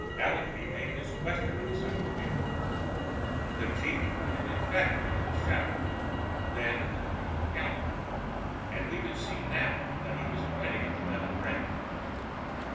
Allenby made his questioning sound again. The chief pointed emphatically at his shadow, then at the communal calendar and we could see now that he was pointing at the metal ring.